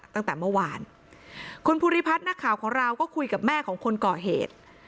ตั้งแต่เมื่อวานคุณภูริพัฒน์นักข่าวของเราก็คุยกับแม่ของคนก่อเหตุ